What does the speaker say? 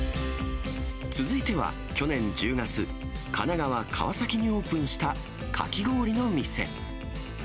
続いては去年１０月、神奈川・川崎にオープンしたかき氷の店。